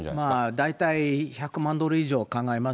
大体１００万ドル以上考えます。